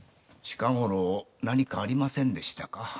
近頃何かありませんでしたか？